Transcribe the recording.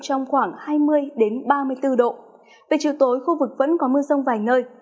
trong khoảng hai mươi ba mươi bốn độ về chiều tối khu vực vẫn có mưa rông vài nơi